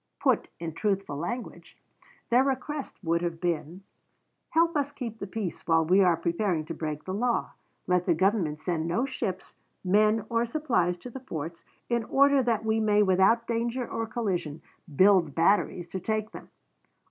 Put in truthful language, their request would have been, "Help us keep the peace while we are preparing to break the law. Let the Government send no ships, men or supplies to the forts, in order that we may without danger or collision build batteries to take them.